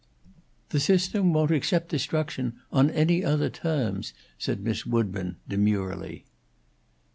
"The system won't accept destruction on any othah tomes," said Miss Woodburn, demurely.